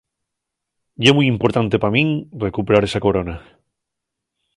Ye mui importante pa min recuperar esa corona.